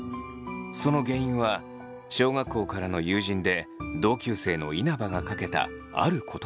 その原因は小学校からの友人で同級生の稲葉がかけたある言葉でした。